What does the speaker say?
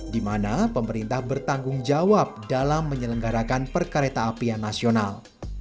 di mana pemerintah bertanggung jawab dalam menyelenggarakan perkereta apian nasional